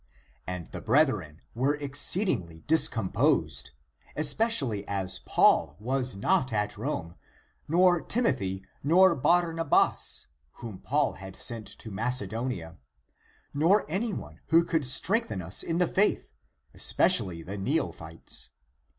And the brethren were exceedingly discomposed, especially as Paul was not at Rome, nor Timothy and Barnabas, whom Paul had sent to Macedonia, nor anyone who could strengthen us in the faith, especially the neophytes.